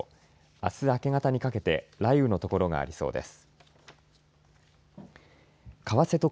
あすの明け方にかけて雷雨の所がありそうです。